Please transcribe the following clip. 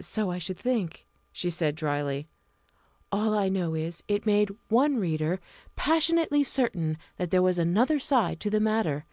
"So I should think," she said drily; "all I know is, it made one reader passionately certain that there was another side to the matter!